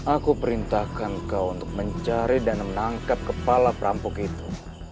aku perintahkan kau untuk mencari dan menangkap kepala perampok itu